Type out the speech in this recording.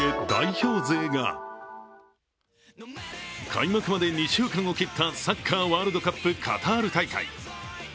開幕まで２週間を切ったサッカーワールドカップカタール大会。